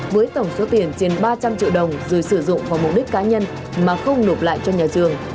với tổng số tiền trên ba trăm linh triệu đồng rồi sử dụng vào mục đích cá nhân mà không nộp lại cho nhà trường